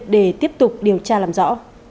để tiếp tục điều tra làm rõ